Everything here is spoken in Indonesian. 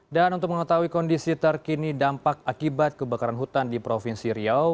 dan untuk mengetahui kondisi terkini dampak akibat kebakaran hutan di provinsi riau